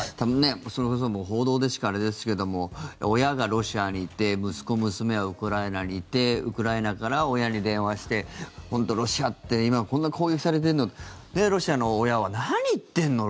それこそ報道でしかあれですけど親がロシアにいて息子、娘はウクライナにいてウクライナから親に電話して本当、ロシアって今、こんな攻撃されてるので、ロシアの親は何言ってるの！